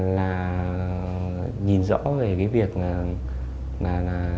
là nhìn rõ về cái việc là